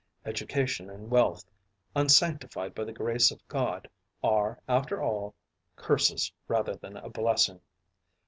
Education and wealth, unsanctified by the grace of God, are after all, curses rather than a blessing.